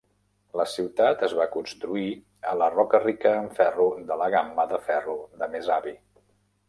La ciutat es va construir a la roca rica en ferro de la gamma de ferro de Mesabi.